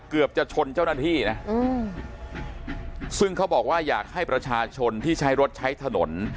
เกือบจะชนเจ้าหน้าที่นะซึ่งเขาบอกว่าอยากให้ประชาชนที่ใช้รถใช้ถนน